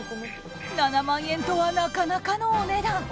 ７万円とは、なかなかのお値段。